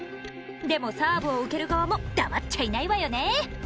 でも、サーブを受ける側も黙っちゃいないわよね！